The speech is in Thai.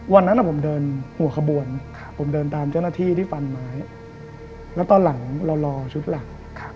วันนั้นผมเดินหัวขบวนผมเดินตามเจ้าหน้าที่ที่ฟันไม้แล้วตอนหลังเรารอชุดหลัก